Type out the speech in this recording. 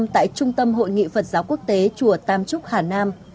tại trung tâm hội nghị phật giáo quốc tế chùa tam trúc hà nam